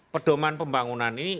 pedoman pembangunan ini